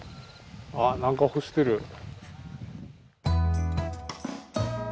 あっ何か干してる。